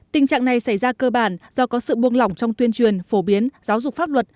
tình trạng này xảy ra cơ bản do có sự buông lỏng trong tuyên truyền phổ biến giáo dục pháp luật